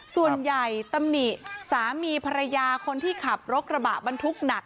ส่วนใหญ่ตำหนิสามีภรรยาคนที่ขับรถกระบะบันทุกข์หนัก